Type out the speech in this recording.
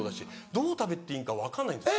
どう食べていいか分かんないんです。